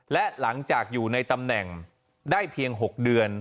และหลังจากอยู่ในตำแหน่งได้เพียง๖เดือน